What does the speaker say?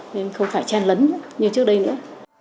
nên không phải chen lấn như trước đây nữa